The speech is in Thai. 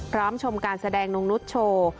พร้อมชมการแสดงนกนุฏโชว์